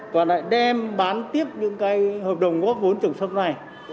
và lại đem bán tiếp những cái hợp đồng góp vốn trồng sâm này